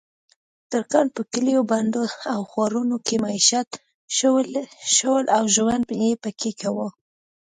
ترکان په کلیو، بانډو او ښارونو کې میشت شول او ژوند یې پکې کاوه.